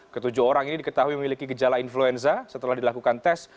ketujuh orang ini diketahui memiliki gejala influenza setelah dilakukan tes